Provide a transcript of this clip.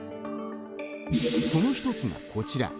そのひとつがこちら。